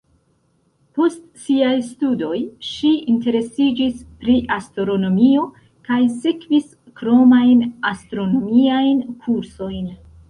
Post siaj studoj, ŝi interesiĝis pri astronomio kaj sekvis kromajn astronomiajn kursojn.